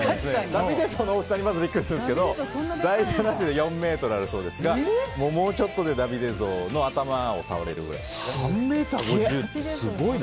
ダビデ像の大きさにびっくりするんですけど台座なしで４ｍあるそうですがもうちょっとでダビデ像の頭を触れるぐらいですね。